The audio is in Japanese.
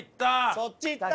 そっちいった！